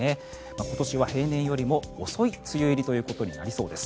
今年は平年よりも遅い梅雨入りとなりそうです。